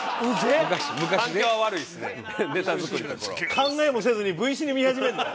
考えもせずにＶシネ見始めるの？